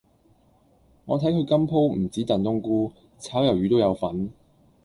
我睇佢今鋪唔止燉冬菇，炒魷魚都有份